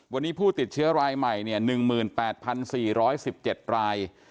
วันนี้ผู้ติดเชื้อรายใหม่๑๘๔๑๗ราย